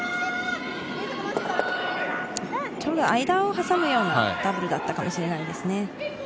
間を挟むようなダブルだったかもしれないですね。